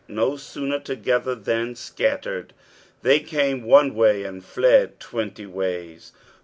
No sooner together than scattered. They came one way and fled twenty ways.